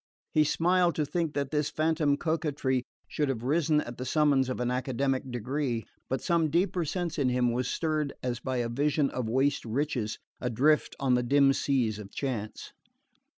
He smiled to think that this phantom coquetry should have risen at the summons of an academic degree; but some deeper sense in him was stirred as by a vision of waste riches adrift on the dim seas of chance.